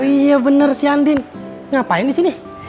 oh iya bener si andin ngapain disini